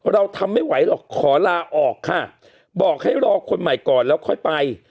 เราทำไม่ไหวหรอกขอลาออกค่ะบอกให้รอคนใหม่ก่อนแล้วค่อยไป